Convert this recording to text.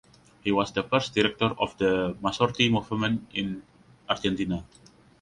He was the first director of the Masorti Movement in Argentina.